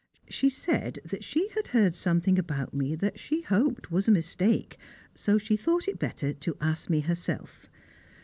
She said that she had heard something about me that she hoped was a mistake, so she thought it better to ask me herself.